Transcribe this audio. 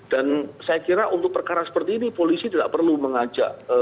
dan saya kira untuk perkara seperti ini polisi tidak perlu mengajak